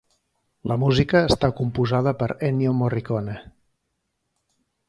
La música està composada per Ennio Morricone.